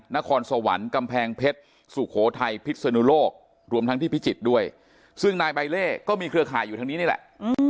นครสวรรค์กำแพงเพชรสุโขทัยพิศนุโลกรวมทั้งที่พิจิตรด้วยซึ่งนายใบเล่ก็มีเครือข่ายอยู่ทางนี้นี่แหละ